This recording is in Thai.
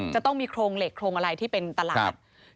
จะต้องมีโครงเหล็กโครงอะไรที่เป็นตลาด